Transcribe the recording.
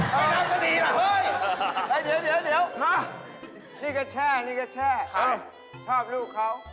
ไปน้ำฉันใช่เหรอนีกาแช่ชอบลูกเขา